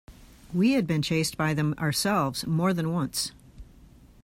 We had been chased by them ourselves, more than once.